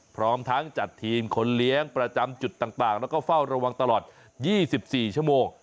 พร้อมทั้งจัดทีมคนเลี้ยงประจำจุดต่างแล้วก็เฝ้าระวังตลอด๒๔ชั่วโมง